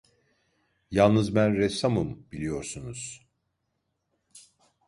Yalnız ben ressamım, biliyorsunuz.